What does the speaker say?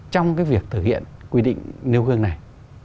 trong việc thực hiện quy định nêu gương này